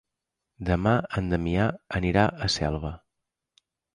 Demà en Damià anirà a Selva.